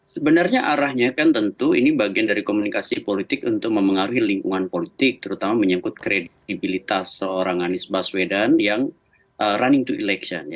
sebenarnya arahnya kan tentu ini bagian dari komunikasi politik untuk memengaruhi lingkungan politik terutama menyangkut kredibilitas seorang anies baswedan yang running to election